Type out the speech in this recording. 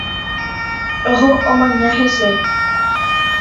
Oho omaña hese.